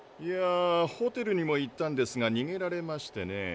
ホテルにも行ったんですがにげられましてねえ。